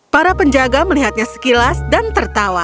para penjaga melihatnya sekilas dan tertawa